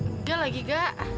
nggak lagi kak